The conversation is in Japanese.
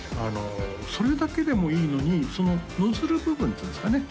それだけでもいいのにそのノズル部分っていうんですかね